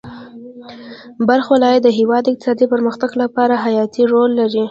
بلخ ولایت د هېواد د اقتصادي پرمختګ لپاره حیاتي رول لري.